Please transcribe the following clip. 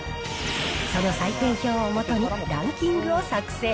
その採点表をもとにランキングを作成。